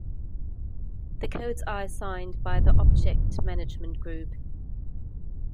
The codes are assigned by the Object Management Group.